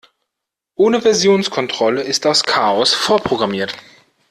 Ohne Versionskontrolle ist das Chaos vorprogrammiert.